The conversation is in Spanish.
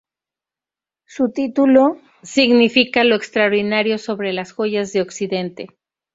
Su título significa "Lo extraordinario sobre las joyas de Occidente".